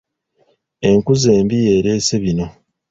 Enkuza embi y'eleese bino.